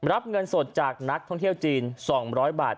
รับเงินสดจากนักท่องเที่ยวจีน๒๐๐บาท